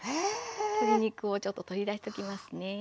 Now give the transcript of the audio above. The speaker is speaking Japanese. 鶏肉をちょっと取り出しときますね。